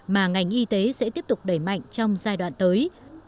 mà ngành y tế sẽ tiếp tục đẩy mạnh trong giai đoạn tới